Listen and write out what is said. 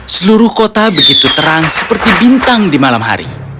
seluruh kota begitu terang seperti bintang di malam hari